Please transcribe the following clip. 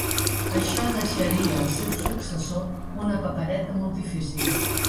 Això deixaria al seu successor una papereta molt difícil.